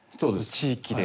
地域で。